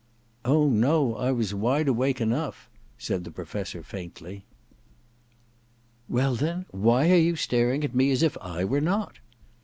* Oh, no, I was wide awake enough,' said the Professor faintly. * Well, then, why are you staring at me as if I were not